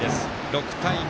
６対２。